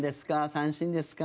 三振ですか？